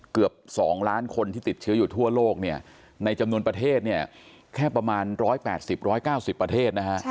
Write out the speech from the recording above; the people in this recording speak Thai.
เกือบ๒ล้านคนที่ติดเชื้ออยู่ทั่วโลกในจำนวนประเทศแค่ประมาณ๑๘๐๑๙๐ประเทศ